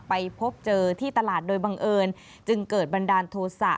ไปเจอที่ตลาดโดยบังเอิญจึงเกิดบันดาลโทษะ